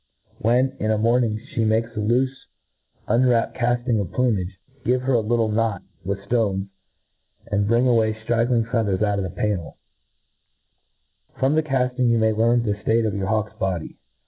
/When, in a mornings flic makes a loofe un wrapped cafl:ing of plumage, give her a ^ttle knot, with (tones, to brmg away ftraggliiig feathers out of the panneL From the cafl:ing, you may learn the ftate of your hawk's body.